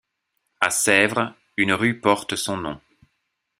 À Sèvres, une rue porte son nom.